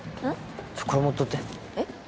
ちょっこれ持っとってえっ？